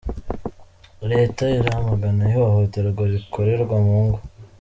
Leta iramagana ihohoterwa rikorerwa mu ngo